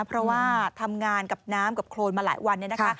เพราะว่าทำงานกับน้ำกับโครนมาหลายวันเนี่ยนะคะ